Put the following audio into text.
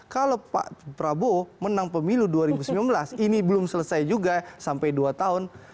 kalau pak prabowo menang pemilu dua ribu sembilan belas ini belum selesai juga sampai dua tahun